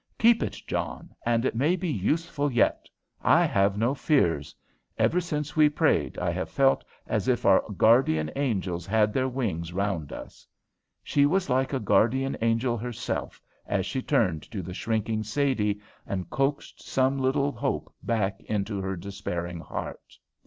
"Keep it, John, and it may be useful yet. I have no fears. Ever since we prayed I have felt as if our guardian angels had their wings round us." She was like a guardian angel herself as she turned to the shrinking Sadie, and coaxed some little hope back into her despairing heart.